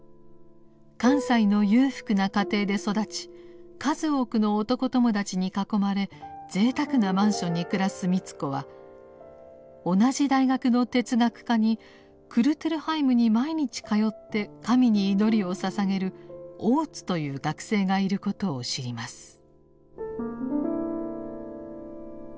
関西の裕福な家庭で育ち数多くの男友達に囲まれぜいたくなマンションに暮らす美津子は同じ大学の哲学科にクルトル・ハイムに毎日通って神に祈りをささげる「大津」という学生がいることを知ります。